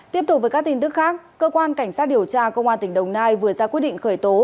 tiếp tục với các tin tức khác cơ quan cảnh sát điều tra công an tỉnh đồng nai vừa ra quyết định khởi tố